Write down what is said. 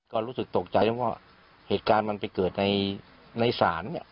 ก็รู้สึกตกใจเพราะว่าเหตุการณ์มันไปเกิดในศาลเนี่ย